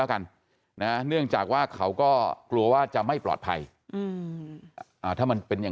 แล้วกันนะเนื่องจากว่าเขาก็กลัวว่าจะไม่ปลอดภัยถ้ามันเป็นอย่าง